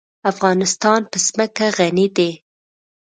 افغانستان په ځمکه غني دی.